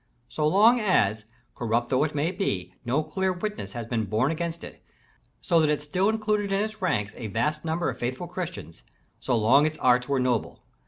So long as, corrupt though it might be, no clear witness had been borne against it, so that it still included in its ranks a vast number of faithful Christians, so long its arts were noble.